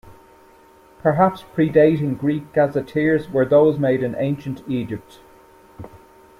Perhaps predating Greek gazetteers were those made in ancient Egypt.